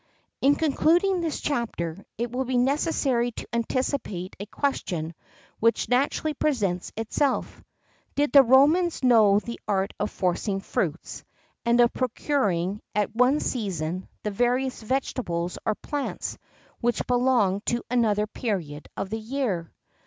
BOSC. In concluding this chapter, it will be necessary to anticipate a question which naturally presents itself: did the Romans know the art of forcing fruits, and of procuring, at one season, the various vegetables or plants which belong to another period of the year?